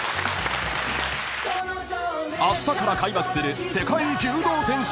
［あしたから開幕する世界柔道選手権］